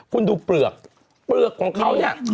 คุณดูเปลือกเปลือกของเขาเนี่ย